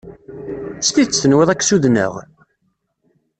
S tidet tenwiḍ ad k-ssudneɣ?